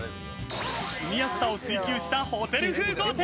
住みやすさを追求したホテル風豪邸。